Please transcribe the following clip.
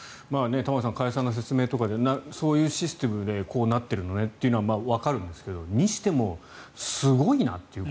玉川さん加谷さんの説明とかでそういうシステムでこうなっているのねっていうのはわかるんですがにしても、すごいなという。